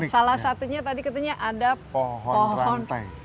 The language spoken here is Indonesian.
salah satunya tadi katanya ada pohon